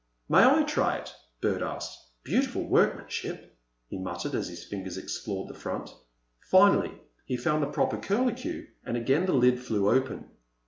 "May I try it?" Bert asked. "Beautiful workmanship," he muttered, as his fingers explored the front. Finally he found the proper curlicue and again the lid flew open.